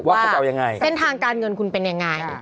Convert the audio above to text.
ว่าเส้นทางการเงินของคุณเป็นยังไง